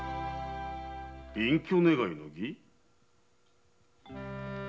隠居願いの儀？